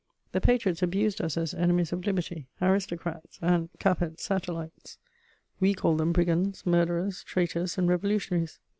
The patriots abused us as "enemies of liberty," "aristocrats" and "Capet's satellites." We called them "brigands," "murderers," "traitors" and "revolutionaries."